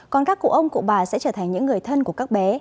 còn các cụ ông cụ bà sẽ trở thành những người thân của các bé